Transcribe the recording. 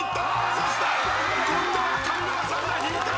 そして今度は上沼さんが引いた！